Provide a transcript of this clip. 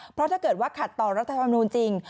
เพราะถ้าเกิดว่าขัดต่อรัฐธรรมนูลจริง